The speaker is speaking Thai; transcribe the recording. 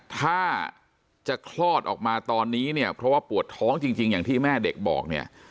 ถ้าจะคลอดออกมาตอนนี้เนี่ยเพราะว่าปวดท้องจริงอย่างที่แม่เด็กบอกเนี่ย